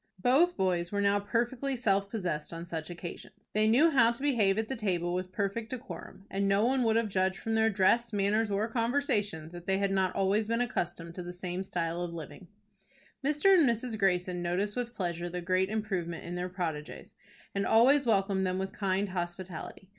Both boys were now perfectly self possessed on such occasions. They knew how to behave at the table with perfect decorum, and no one would have judged from their dress, manners, or conversation, that they had not always been accustomed to the same style of living. Mr. and Mrs. Greyson noticed with pleasure the great improvement in their protegés, and always welcomed them with kind hospitality.